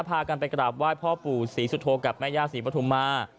พากันไปกราบไหว้พ่อปู่ศรีสุโธกับแม่ย่าศรีปฐุมา